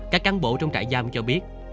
các cán bộ trong trại giam cho biết